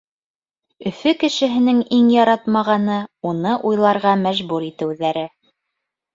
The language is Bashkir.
Өфө кешеһенең иң яратмағаны — уны уйларға мәжбүр итеүҙәре.